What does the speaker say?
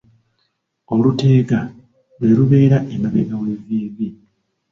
Oluteega lwe lubeera emabega w'evviivi.